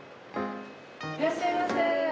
いらっしゃいませ。